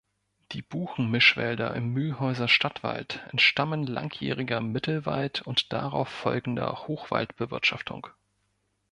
Die Buchenmischwälder im Mühlhäuser Stadtwald entstammen langjähriger Mittelwald- und darauf folgender Hochwald-Bewirtschaftung.